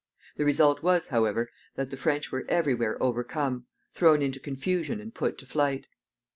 The result was, however, that the French were every where overcome, thrown into confusion, and put to flight.